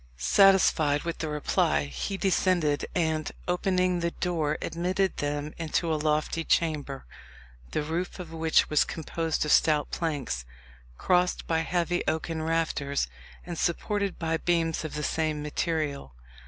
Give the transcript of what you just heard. Satisfied with the reply, he descended, and, opening the door, admitted them into a lofty chamber, the roof of which was composed of stout planks, crossed by heavy oaken rafters, and supported by beams of the same material.